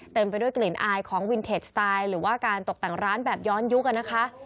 เต็มไปด้วยกลิ่นอายของวินเทจสไตล์หรือว่าการตกแต่งร้านแบบย้อนยุคนะคะ